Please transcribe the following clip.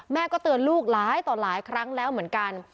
ก็เตือนลูกหลายต่อหลายครั้งแล้วเหมือนกัน